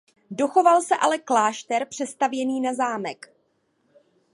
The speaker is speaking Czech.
Dochoval se ale klášter přestavěný na zámek.